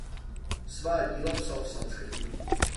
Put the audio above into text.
Svá díla psal v sanskrtu.